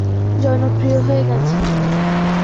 এখন সত্যও জনপ্রিয় হয়ে গেছে।